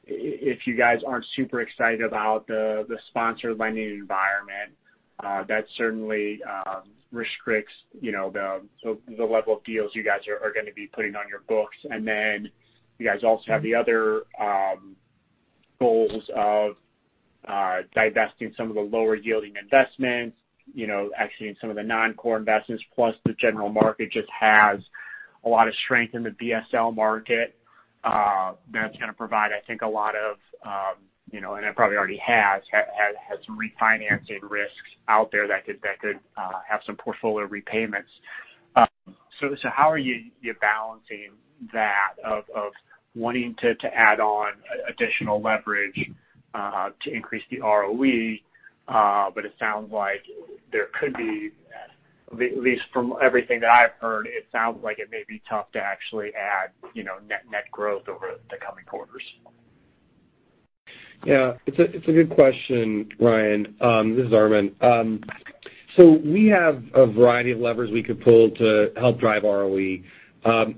if you guys aren't super excited about the sponsor lending environment, that certainly restricts the level of deals you guys are going to be putting on your books. You guys also have the other goals of divesting some of the lower yielding investments, actually in some of the non-core investments, plus the general market just has a lot of strength in the BSL market. That's going to provide, I think, a lot of, and it probably already has, had some refinancing risks out there that could have some portfolio repayments. How are you balancing that of wanting to add on additional leverage to increase the ROE? It sounds like there could be, at least from everything that I've heard, it sounds like it may be tough to actually add net growth over the coming quarters. Yeah. It's a good question, Ryan. This is Armen. We have a variety of levers we could pull to help drive ROE.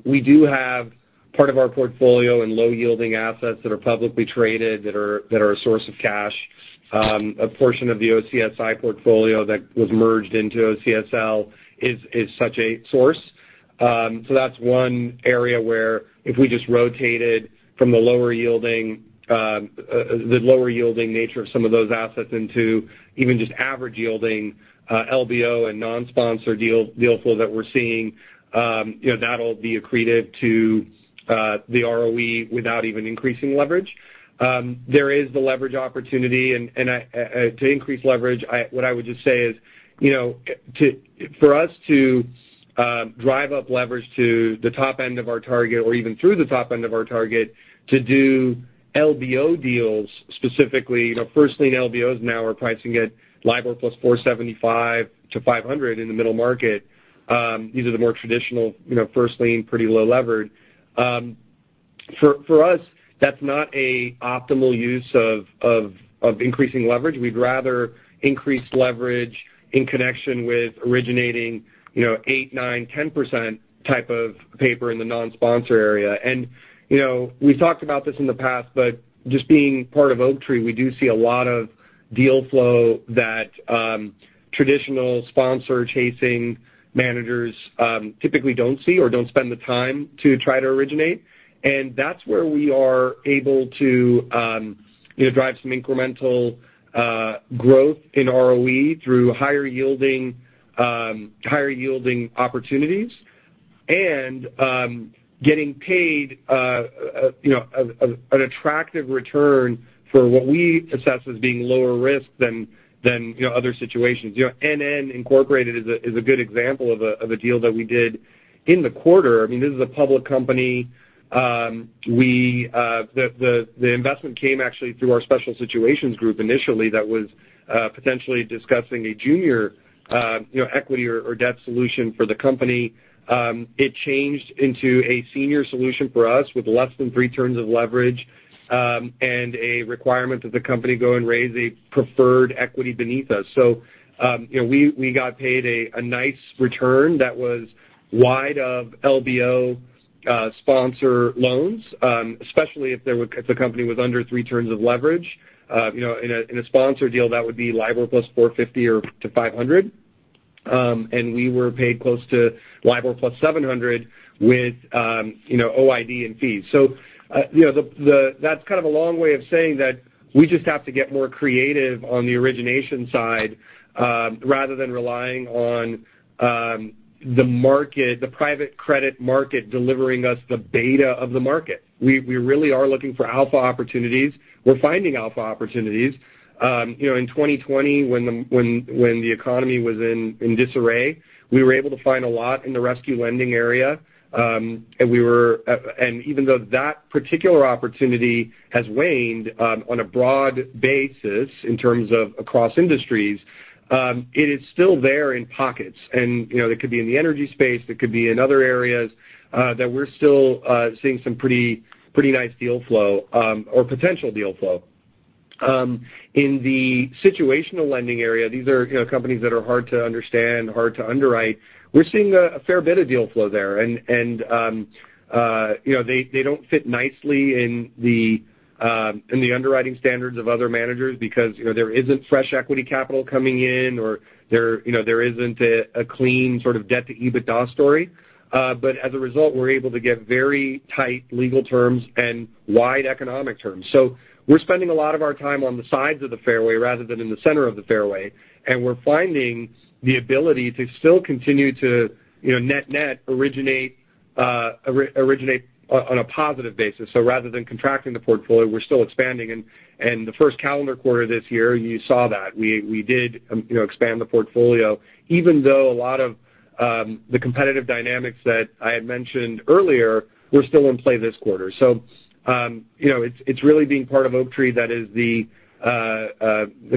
We do have part of our portfolio in low-yielding assets that are publicly traded that are a source of cash. A portion of the OCSI portfolio that was merged into OCSL is such a source. That's one area where if we just rotated from the lower yielding nature of some of those assets into even just average yielding LBO and non-sponsor deal flow that we're seeing, that'll be accretive to the ROE without even increasing leverage. There is the leverage opportunity. To increase leverage, what I would just say is, for us to drive up leverage to the top end of our target or even through the top end of our target to do LBO deals specifically, first lien LBOs now are pricing at LIBOR plus 475-500 in the middle market. These are the more traditional first lien, pretty low levered. For us, that's not an optimal use of increasing leverage. We'd rather increase leverage in connection with originating 8%, 9%, 10% type of paper in the non-sponsor area. We've talked about this in the past but just being part of Oaktree, we do see a lot of deal flow that traditional sponsor-chasing managers typically don't see or don't spend the time to try to originate. That's where we are able to drive some incremental growth in ROE through higher yielding opportunities and getting paid an attractive return for what we assess as being lower risk than other situations. NN, Incorporated is a good example of a deal that we did in the quarter. I mean, this is a public company. The investment came actually through our special situations group initially that was potentially discussing a junior equity or debt solution for the company. It changed into a senior solution for us with less than three turns of leverage and a requirement that the company go and raise a preferred equity beneath us. We got paid a nice return that was wide of LBO sponsor loans especially if the company was under three turns of leverage. In a sponsor deal, that would be LIBOR plus 450-500. We were paid close to LIBOR plus 700 with OID and fees. That's kind of a long way of saying that we just have to get more creative on the origination side rather than relying on the private credit market delivering us the beta of the market. We really are looking for alpha opportunities. We're finding alpha opportunities. In 2020 when the economy was in disarray, we were able to find a lot in the rescue lending area. Even though that particular opportunity has waned on a broad basis in terms of across industries, it is still there in pockets. It could be in the energy space, it could be in other areas that we're still seeing some pretty nice deal flow or potential deal flow. In the situational lending area, these are companies that are hard to understand, hard to underwrite. We're seeing a fair bit of deal flow there. They don't fit nicely in the underwriting standards of other managers because there isn't fresh equity capital coming in or there isn't a clean sort of debt-to-EBITDA story. As a result, we're able to get very tight legal terms and wide economic terms. We're spending a lot of our time on the sides of the fairway rather than in the center of the fairway. We're finding the ability to still continue to net originate on a positive basis. Rather than contracting the portfolio, we're still expanding. The first calendar quarter this year, you saw that. We did expand the portfolio even though a lot of the competitive dynamics that I had mentioned earlier were still in play this quarter. It's really being part of Oaktree that is the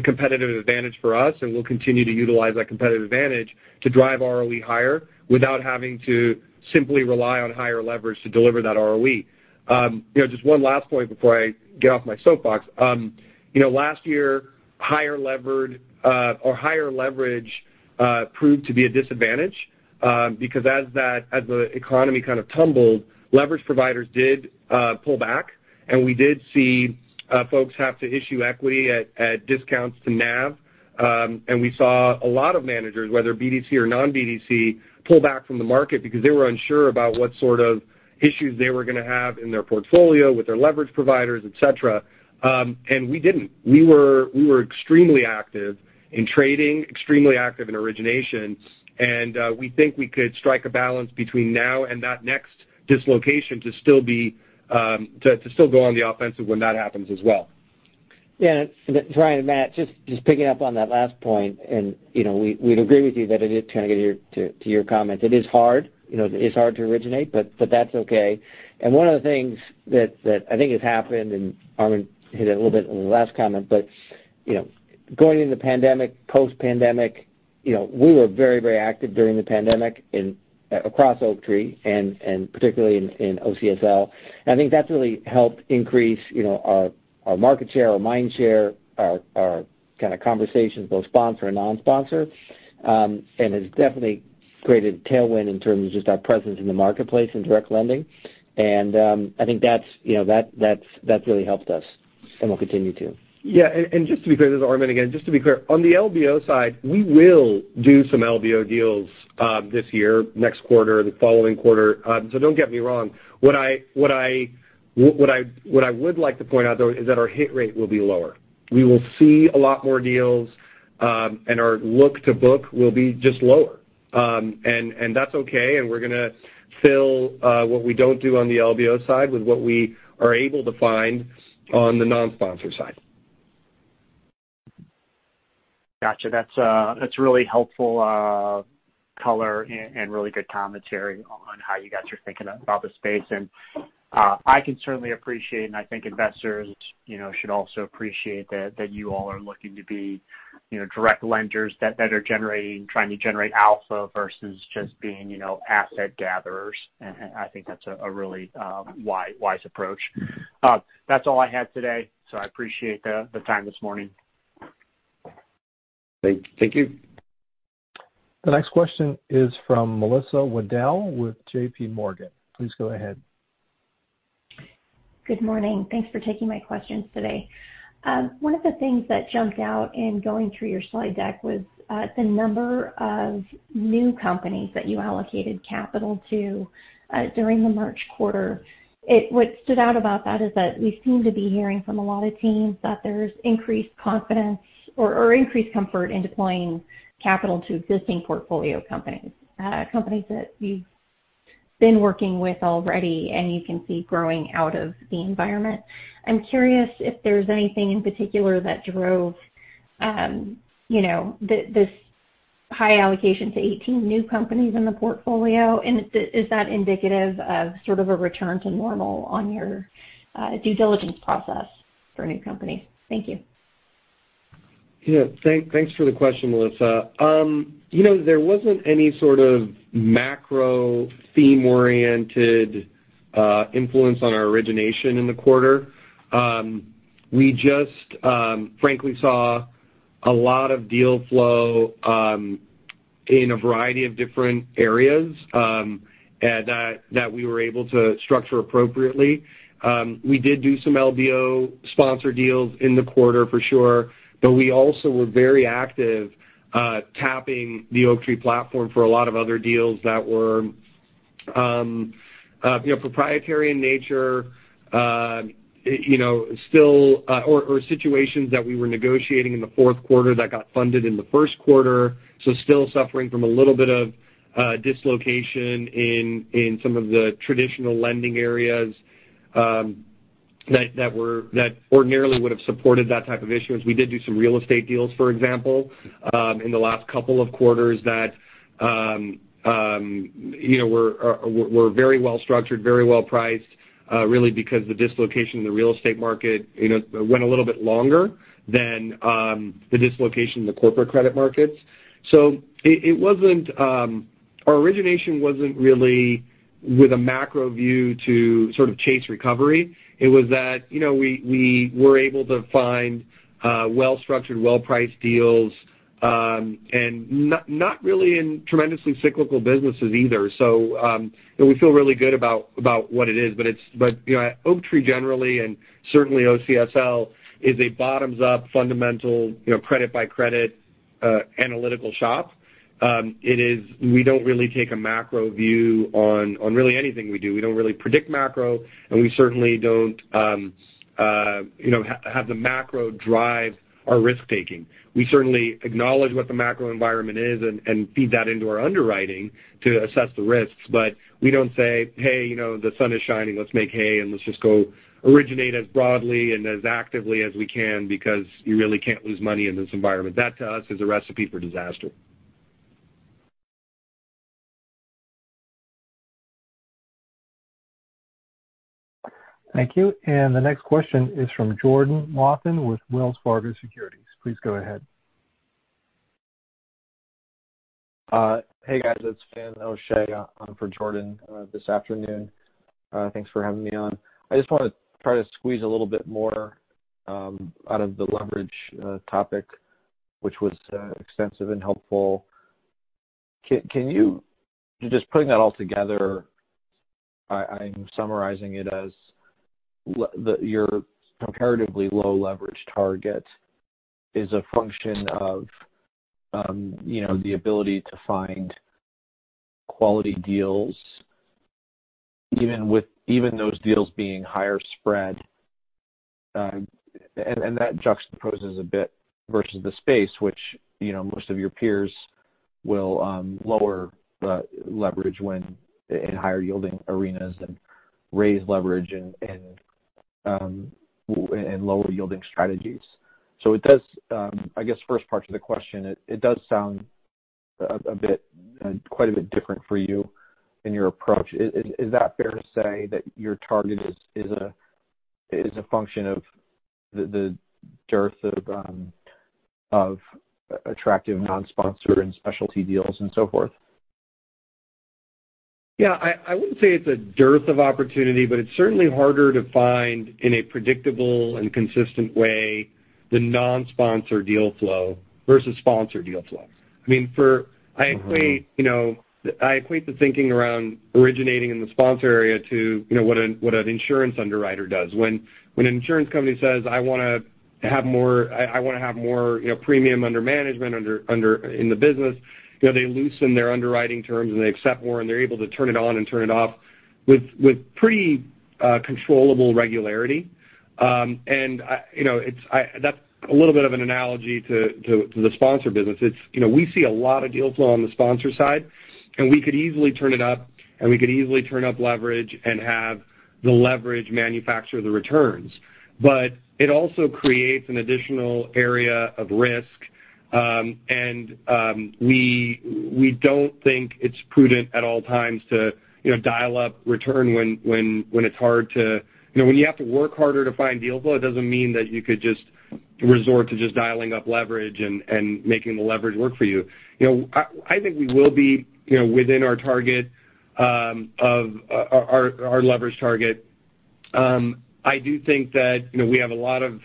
competitive advantage for us and we'll continue to utilize that competitive advantage to drive ROE higher without having to simply rely on higher leverage to deliver that ROE. Just one last point before I get off my soapbox. Last year, higher leverage proved to be a disadvantage because as the economy kind of tumbled, leverage providers did pull back and we did see folks have to issue equity at discounts to NAV. We saw a lot of managers, whether BDC or non-BDC, pull back from the market because they were unsure about what sort of issues they were going to have in their portfolio with their leverage providers, et cetera. We didn't. We were extremely active in trading, extremely active in origination. We think we could strike a balance between now and that next dislocation to still go on the offensive when that happens as well. Yeah. Ryan it's Matt, just picking up on that last point, we'd agree with you that trying to get to your comment, it is hard to originate, that's okay. One of the things that I think has happened, Armen hit it a little bit in the last comment, going into pandemic, post-pandemic, we were very active during the pandemic across Oaktree and particularly in OCSL. I think that's really helped increase our market share, our mind share, our kind of conversations, both sponsor and non-sponsor. Has definitely created tailwind in terms of just our presence in the marketplace and direct lending. I think that's really helped us and will continue to. Yeah. Just to be clear, this is Armen again. Just to be clear, on the LBO side, we will do some LBO deals this year, next quarter, the following quarter. Don't get me wrong. What I would like to point out, though, is that our hit rate will be lower. We will see a lot more deals, and our loan-to-book will be just lower. That's okay, and we're going to fill what we don't do on the LBO side with what we are able to find on the non-sponsor side. Got you. That's really helpful color and really good commentary on how you guys are thinking about the space. I can certainly appreciate, and I think investors should also appreciate that you all are looking to be direct lenders that are trying to generate alpha versus just being asset gatherers. I think that's a really wise approach. That's all I had today. I appreciate the time this morning. Thank you. The next question is from Melissa Wedel with JPMorgan. Please go ahead. Good morning. Thanks for taking my questions today. One of the things that jumped out in going through your slide deck was the number of new companies that you allocated capital to during the March quarter. What stood out about that is that we seem to be hearing from a lot of teams that there's increased confidence or increased comfort in deploying capital to existing portfolio companies that you've been working with already and you can see growing out of the environment. I'm curious if there's anything in particular that drove this high allocation to 18 new companies in the portfolio, and is that indicative of sort of a return to normal on your due diligence process for new companies? Thank you. Yeah. Thanks for the question, Melissa. There wasn't any sort of macro theme-oriented influence on our origination in the quarter. We just frankly saw a lot of deal flow in a variety of different areas that we were able to structure appropriately. We did do some LBO sponsor deals in the quarter for sure, but we also were very active tapping the Oaktree platform for a lot of other deals that were proprietary in nature or situations that we were negotiating in the fourth quarter that got funded in the first quarter, so still suffering from a little bit of dislocation in some of the traditional lending areas that ordinarily would have supported that type of issuance. We did do some real estate deals, for example, in the last couple of quarters that were very well-structured, very well-priced really because the dislocation in the real estate market went a little bit longer than the dislocation in the corporate credit markets. Our origination wasn't really with a macro view to sort of chase recovery. It was that we were able to find well-structured, well-priced deals, and not really in tremendously cyclical businesses either. We feel really good about what it is. Oaktree generally, and certainly OCSL, is a bottoms-up, fundamental, credit-by-credit analytical shop. We don't really take a macro view on really anything we do. We don't really predict macro, and we certainly don't have the macro drive our risk-taking. We certainly acknowledge what the macro environment is and feed that into our underwriting to assess the risks. We don't say, "Hey, the sun is shining. Let's make hay, and let's just go originate as broadly and as actively as we can because you really can't lose money in this environment." That, to us, is a recipe for disaster. Thank you. The next question is from Jordan Laughlin with Wells Fargo Securities. Please go ahead. Hey, guys, it's Finian O'Shea. I'm for Jordan this afternoon. Thanks for having me on. I just want to try to squeeze a little bit more out of the leverage topic, which was extensive and helpful. Just putting that all together, I'm summarizing it as your comparatively low leverage target is a function of the ability to find quality deals even those deals being higher spread. That juxtaposes a bit versus the space which most of your peers will lower the leverage in higher yielding arenas and raise leverage in lower yielding strategies. I guess first part to the question, it does sound quite a bit different for you in your approach. Is that fair to say that your target is a function of the dearth of attractive non-sponsor and specialty deals and so forth? Yeah. I wouldn't say it's a dearth of opportunity, but it's certainly harder to find in a predictable and consistent way, the non-sponsor deal flow versus sponsor deal flow. I equate the thinking around originating in the sponsor area to what an insurance underwriter does. When an insurance company says, "I want to have more premium under management in the business," they loosen their underwriting terms, and they accept more, and they're able to turn it on and turn it off with pretty controllable regularity. That's a little bit of an analogy to the sponsor business. We see a lot of deal flow on the sponsor side, and we could easily turn it up, and we could easily turn up leverage and have the leverage manufacture the returns. It also creates an additional area of risk, and we don't think it's prudent at all times to dial up return when you have to work harder to find deal flow, it doesn't mean that you could just resort to just dialing up leverage and making the leverage work for you. I think we will be within our leverage target. I do think that we have a lot of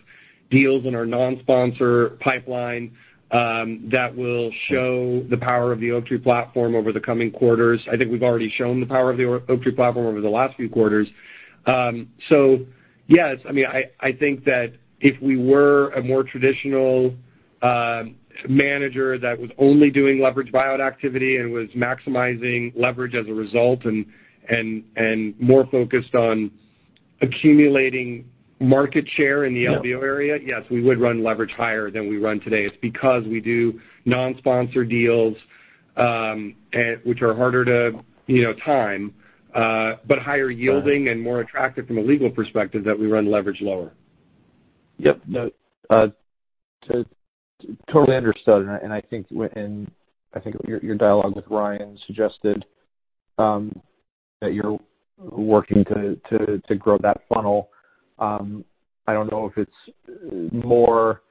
deals in our non-sponsor pipeline that will show the power of the Oaktree platform over the coming quarters. I think we've already shown the power of the Oaktree platform over the last few quarters. Yes, I think that if we were a more traditional manager that was only doing leverage buyout activity and was maximizing leverage as a result, and more focused on accumulating market share in the LBO area. Yeah Yes, we would run leverage higher than we run today. It's because we do non-sponsor deals, which are harder to time, but higher yielding and more attractive from a legal perspective that we run leverage lower. Yep. No. Totally understood, and I think your dialogue with Ryan suggested that you're working to grow that funnel. I don't know if it's more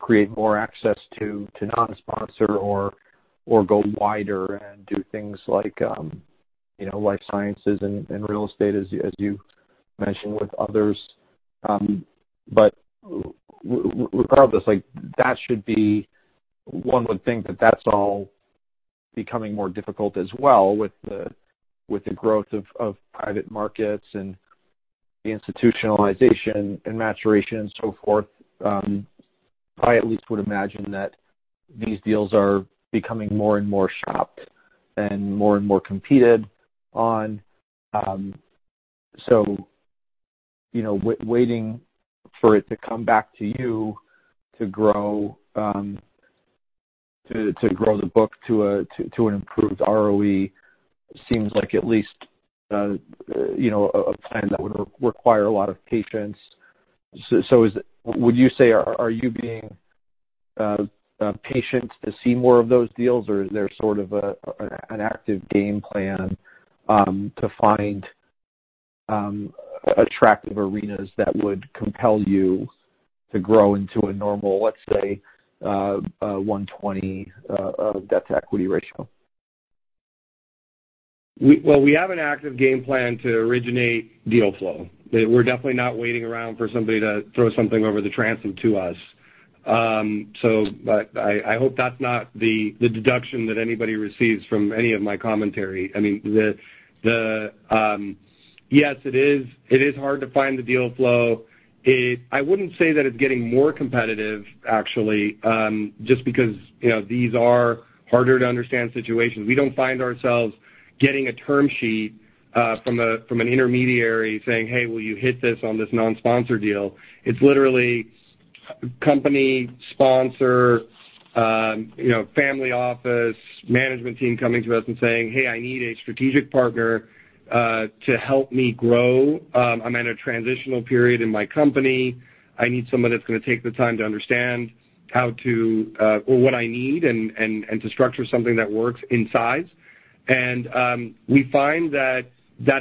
create more access to non-sponsor or go wider and do things like life sciences and real estate, as you mentioned with others. Regardless, one would think that that's all becoming more difficult as well with the growth of private markets and the institutionalization and maturation and so forth. I at least would imagine that these deals are becoming more and more shopped and more and more competed on. Waiting for it to come back to you to grow the book to an improved ROE seems like at least a plan that would require a lot of patience. Would you say are you being patient to see more of those deals, or is there sort of an active game plan to find attractive arenas that would compel you to grow into a normal, let's say, 120 debt-to-equity ratio? Well, we have an active game plan to originate deal flow. We're definitely not waiting around for somebody to throw something over the transom to us. I hope that's not the deduction that anybody receives from any of my commentary. Yes, it is hard to find the deal flow. I wouldn't say that it's getting more competitive, actually, just because these are harder to understand situations. We don't find ourselves getting a term sheet from an intermediary saying, "Hey, will you hit this on this non-sponsor deal?" It's literally company, sponsor, family office, management team coming to us and saying, "Hey, I need a strategic partner to help me grow. I'm at a transitional period in my company. I need someone that's going to take the time to understand what I need and to structure something that works in size. We find that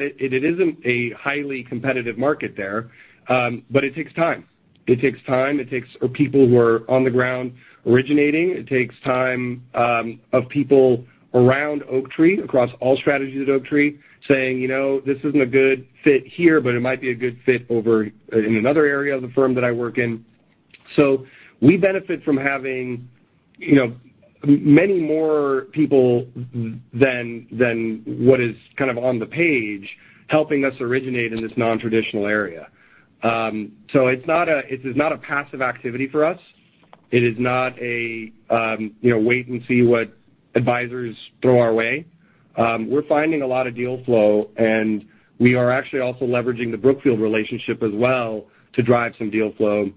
it isn't a highly competitive market there. It takes time. It takes time. It takes people who are on the ground originating. It takes time of people around Oaktree, across all strategies at Oaktree, saying, "You know, this isn't a good fit here, but it might be a good fit over in another area of the firm that I work in." We benefit from having many more people than what is kind of on the page helping us originate in this non-traditional area. It is not a passive activity for us. It is not a wait and see what advisors throw our way. We're finding a lot of deal flow, and we are actually also leveraging the Brookfield relationship as well to drive some deal flow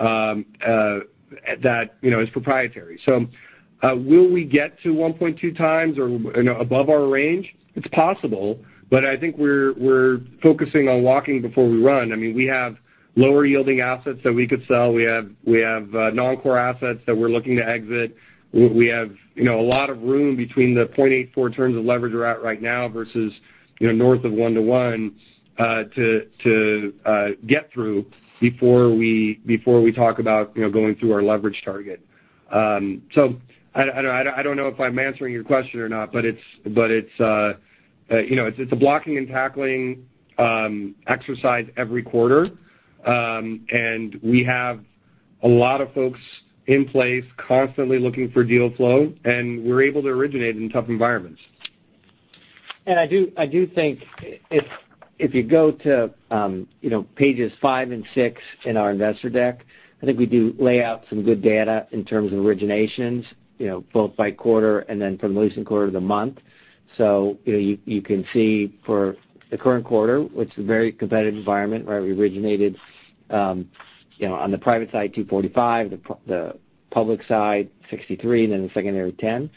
that is proprietary. Will we get to 1.2x or above our range? It's possible, but I think we're focusing on walking before we run. We have lower yielding assets that we could sell. We have non-core assets that we're looking to exit. We have a lot of room between the 0.84x of leverage we're at right now versus north of 1:1 to get through before we talk about going through our leverage target. I don't know if I'm answering your question or not, but it's a blocking and tackling exercise every quarter. We have a lot of folks in place constantly looking for deal flow, and we're able to originate in tough environments. I do think if you go to pages five and six in our investor deck, I think we do lay out some good data in terms of originations, both by quarter and then from the recent quarter to month. You can see for the current quarter, it's a very competitive environment where we originated on the private side $245, the public side $63, and then the secondary $10.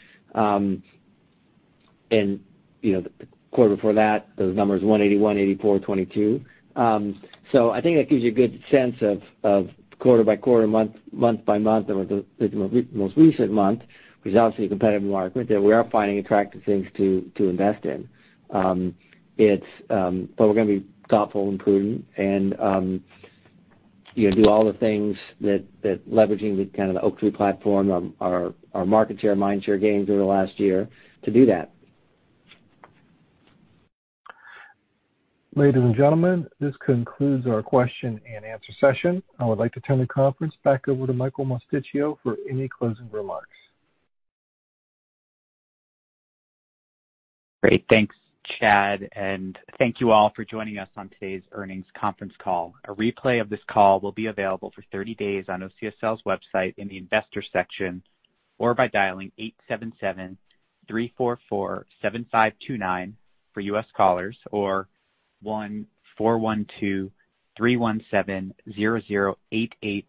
The quarter before that, those numbers $180, $184, $22. I think that gives you a good sense of quarter by quarter, month by month, or the most recent month was obviously a competitive environment that we are finding attractive things to invest in. We're going to be thoughtful and prudent and do all the things that leveraging the kind of the Oaktree platform, our market share, mind share gains over the last year to do that. Ladies and gentlemen, this concludes our question and answer session. I would like to turn the conference back over to Michael Mosticchio for any closing remarks. Great. Thanks, Chad, and thank you all for joining us on today's earnings conference call. A replay of this call will be available for 30 days on OCSL's website in the investor section or by dialing 877-344-7529 for U.S. callers or 1-412-317-0088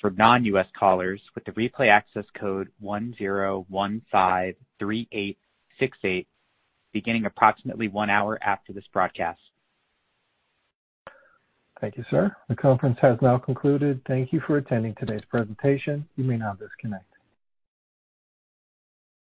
for non-U.S. callers with the replay access code 10153868 beginning approximately one hour after this broadcast. Thank you, sir. The conference has now concluded. Thank you for attending today's presentation. You may now disconnect.